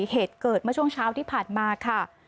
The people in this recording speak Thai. เหตุเกิดเมื่อช่วงเช้าที่ผ่านมาค่ะ